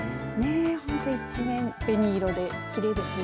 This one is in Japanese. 本当、一面紅色できれいですね。